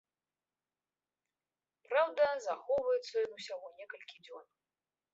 Праўда, захоўваецца ён ўсяго некалькі дзён.